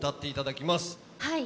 はい。